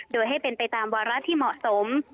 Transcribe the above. โดยให้เป็นไปตามวาระที่เหมาะสม